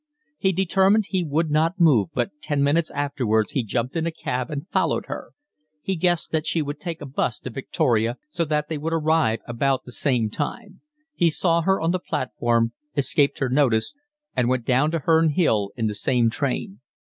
He determined he would not move, but ten minutes afterwards he jumped in a cab and followed her. He guessed that she would take a 'bus to Victoria, so that they would arrive about the same time. He saw her on the platform, escaped her notice, and went down to Herne Hill in the same train.